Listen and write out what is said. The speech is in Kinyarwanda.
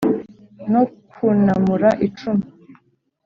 no kwunamura icumu